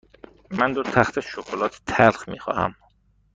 من دو تخته شکلات تلخ می خواهم.